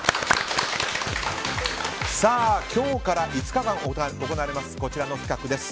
今日から５日間行われるこちらの企画です。